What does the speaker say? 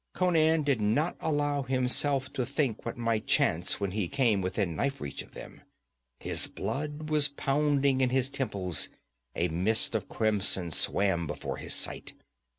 Conan did not allow himself to think what might chance when he came within knife reach of them. His blood was pounding in his temples, a mist of crimson swam before his sight.